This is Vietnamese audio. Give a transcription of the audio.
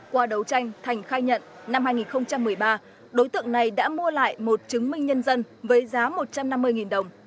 qua đấu tranh thành khai nhận năm hai nghìn một mươi ba đối tượng này đã mua lại một chứng minh nhân dân với giá một trăm năm mươi đồng